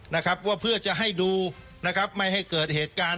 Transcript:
นะครับว่าเพื่อจะให้ดูนะครับไม่ให้เกิดเหตุการณ์